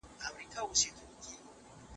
تاسي کله د سرلوړي په رڼا کي وګرځېدی؟